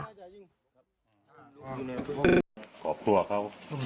กรอบตัวเขา